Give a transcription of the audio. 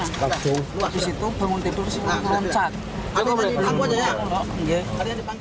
di situ bangun tidur selalu meloncat